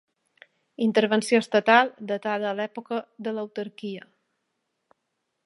Intervenció estatal datada a l'època de l'autarquia.